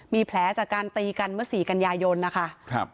มีแผลจากการตีกันเมื่อสี่กันยายนนะคะ